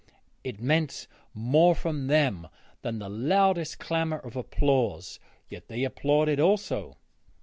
It meant more from them than the loudest clamour of applause, yet they applauded also.